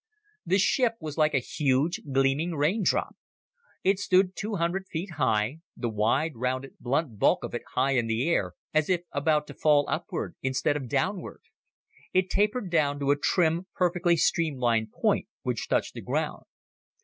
The ship was like a huge, gleaming raindrop. It stood two hundred feet high, the wide, rounded, blunt bulk of it high in the air, as if about to fall upward instead of downward. It tapered down to a thin, perfectly streamlined point which touched the ground.